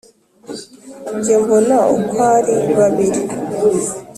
jye mbona uko ari babiri